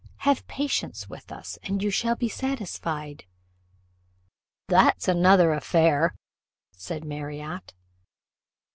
Have patience with us, and you shall be satisfied." "That's another affair," said Marriott.